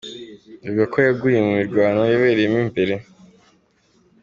Bivugwa ko yaguye mu mirwano yabereyemo imbere.